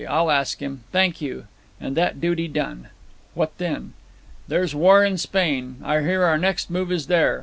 I'll ask him. Thank you. And that duty done ' 'What then?' 'There's war in Spain. I hear our next move is there.